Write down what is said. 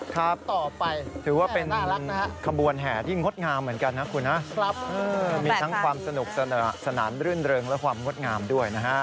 ครับต่อไปถือว่าเป็นขบวนแห่ที่งดงามเหมือนกันนะคุณนะมีทั้งความสนุกสนานรื่นเริงและความงดงามด้วยนะฮะ